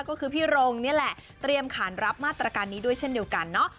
ก็คือพี่รงนี่แหละเตรียมขานรับมาตรการนี้ด้วยเช่นเดียวกันเนาะ